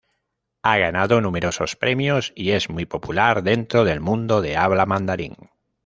Ha ganado numerosos premios y es muy popular dentro del mundo de habla mandarín.